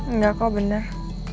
enggak kok bener